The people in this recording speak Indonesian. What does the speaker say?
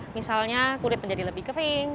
misalnya kulit menjadi lebih kering